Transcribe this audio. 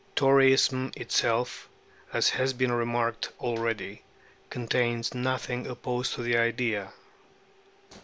Toryism itself, as has been remarked already, contains nothing opposed to the idea.